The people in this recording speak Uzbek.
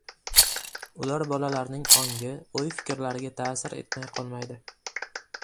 Ular bolalarning ongi, o‘y-fikrlariga ta’sir etmay qolmaydi.